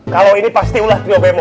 kalo ini pasti ulah trio bemo